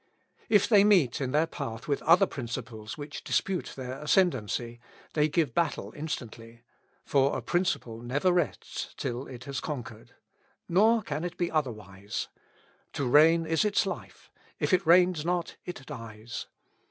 If they meet in their path with other principles which dispute their ascendancy, they give battle instantly; for a principle never rests till it has conquered. Nor can it be otherwise. To reign is its life; if it reigns not, it dies.